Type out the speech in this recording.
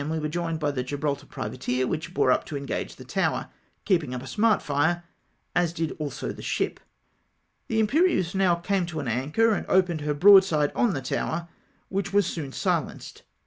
we were joined by the Gibraltar privateer, which bore up to engage the tower, keeping up a smart fire, as did also the ship. The Imperieuse now came to an anchor, and opened DESTRUCTION OP GUNBOATS. 251 her broadside on the tower, which was soon silenced.